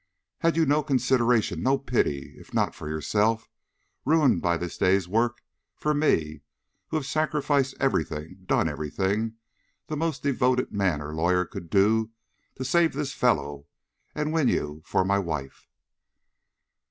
Had you no consideration, no pity, if not for yourself, ruined by this day's work, for me, who have sacrificed every thing, done every thing the most devoted man or lawyer could do to save this fellow and win you for my wife?"